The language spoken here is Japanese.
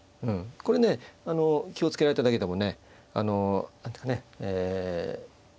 これね気を付けられただけでもねあの何て言うかねえ